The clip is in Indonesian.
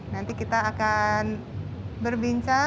nanti kita akan berbincang